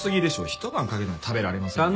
一晩かけても食べられませんよ。